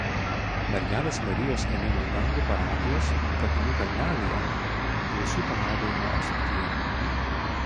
Mergelės Marijos Ėmimo į dangų parapijos kapinių kalnelyje gausių palaidojimų apsuptyje.